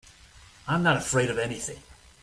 I'm not afraid of anything.